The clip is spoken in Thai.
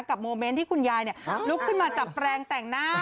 โมเมนต์ที่คุณยายลุกขึ้นมาจับแปลงแต่งหน้า